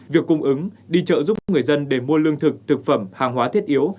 việc cung ứng đi chợ giúp người dân để mua lương thực thực phẩm hàng hóa thiết yếu